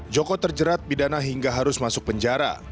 joko terjerat bidana hingga harus masuk penjara